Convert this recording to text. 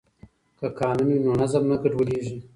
که قانون وي نو نظم نه ګډوډیږي.